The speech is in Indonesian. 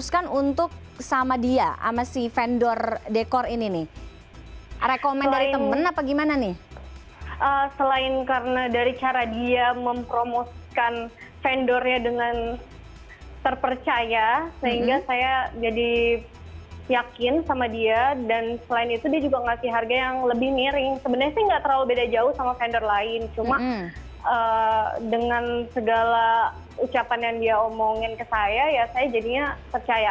jauh sama vendor lain cuma dengan segala ucapan yang dia omongin ke saya ya saya jadinya percaya